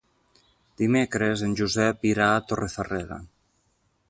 Dimecres en Josep irà a Torrefarrera.